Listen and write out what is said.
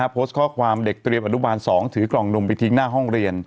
พูดเพิ่มไว้